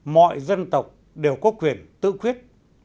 mọi dân tộc đều có quyền tự quyết